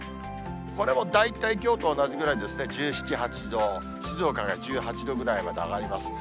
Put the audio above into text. これも大体きょうと同じぐらいですね、１７、８度、静岡が１８度ぐらいまで上がります。